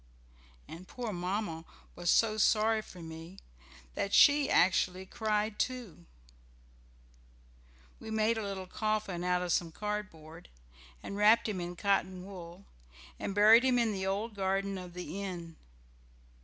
And poor Mamma was so sorry for me that she actually cried too! We made a little coffin out of some cardboard, and wrapped him in cotton wool, and buried him in the old garden of the inn.